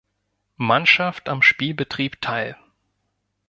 Mannschaft am Spielbetrieb teil.